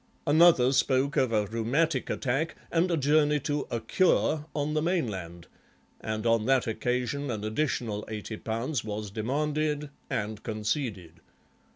Another spoke of a rheumatic attack and a journey to a 'cure' on the mainland, and on that occasion an additional eighty pounds was demanded and conceded.